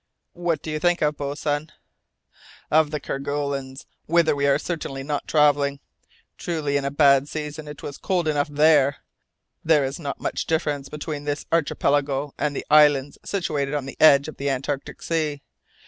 "What do you think of, boatswain?" "Of the Kerguelens, whither we are certainly not travelling. Truly, in a bad season it was cold enough there! There is not much difference between this archipelago and the islands situated on the edge of the Antarctic Sea!